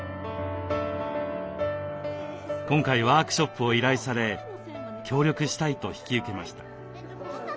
今回ワークショップを依頼され協力したいと引き受けました。